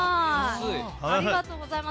ありがとうございます。